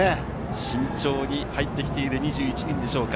慎重に入ってきている２１人でしょうか。